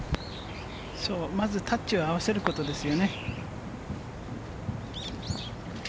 まずタッチを合わせることですよね。